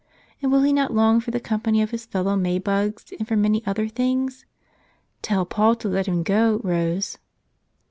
And will ne not long for the company of his fellow May bugs and for many other things? Tell Paul to let him go, Rose."